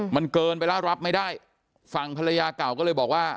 มันเกินไปแล้วรับไม่ได้ฝั่งภรรยาเก่าก็เลยบอกว่า